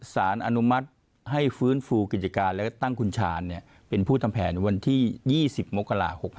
สารอนุมัติให้ฟื้นฟูกิจการและตั้งคุณชาญเป็นผู้ทำแผนวันที่๒๐มกรา๖๖